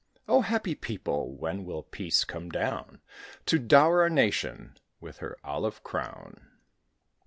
Oh, happy people, when will Peace come down, To dower our nation with her olive crown?